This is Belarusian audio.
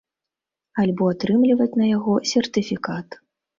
Альбо атрымліваць на яго сертыфікат.